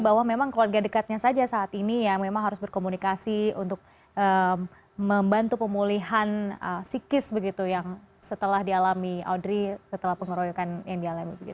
bahwa memang keluarga dekatnya saja saat ini yang memang harus berkomunikasi untuk membantu pemulihan psikis begitu yang setelah dialami audrey setelah pengeroyokan yang dialami